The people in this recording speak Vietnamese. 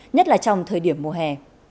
nhất là trong thời điểm mùa hè